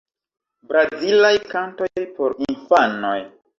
Brazilaj kantoj por infanoj.